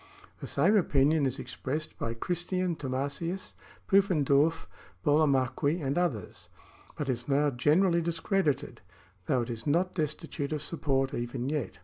The same opinion is expressed by Christian Thomasius,^ Pufen dorf,^ Burlamaqui,* and others, but is now generally dis credited, though it is not destitute of support even yet.